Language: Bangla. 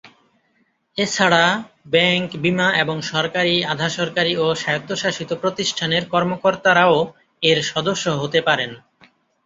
এছাড়া ব্যাংক, বীমা এবং সরকারি, আধাসরকারি ও স্বায়ত্তশাসিত প্রতিষ্ঠানের কর্মকর্তারাও এর সদস্য হতে পারেন।